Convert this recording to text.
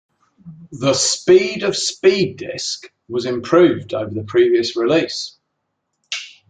The speed of Speed Disk was improved over the previous release.